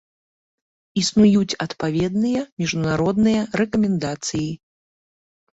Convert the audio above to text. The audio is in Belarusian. Існуюць адпаведныя міжнародныя рэкамендацыі.